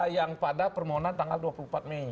yang pada permohonan tanggal dua puluh empat mei